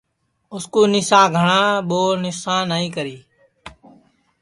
اُس کُو نِسا گھاٹؔا ٻو نسا نائی کری